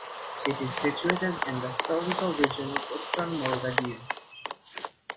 It is situated in the historical region of Western Moldavia.